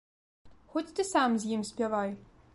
Хоць ты сам з ім спявай!